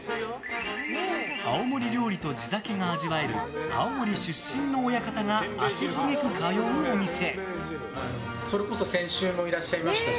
青森料理と地酒が味わえる青森出身の親方が足しげく通うお店。